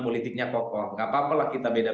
politiknya kokoh gak apa apalah kita beda